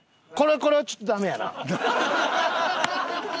これはちょっとダメやな。